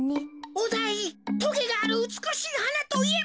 おだいとげがあるうつくしいはなといえば？